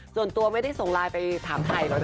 ส่วนตัวไม่ได้ส่งไลน์ไปถามไทยแล้วนะ